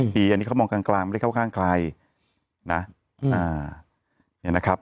ปีอันนี้เขามองกลางไม่ได้เข้าข้างใครนะเนี่ยนะครับ